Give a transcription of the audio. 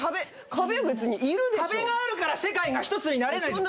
壁があるから世界が一つになれないの。